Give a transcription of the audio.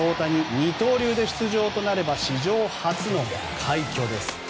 二刀流で出場となれば史上初の快挙です。